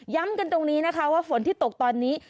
กันตรงนี้นะคะว่าฝนที่ตกตอนนี้